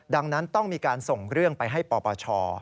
ดังนั้นต้องมีการส่งเรื่องไปให้ปปช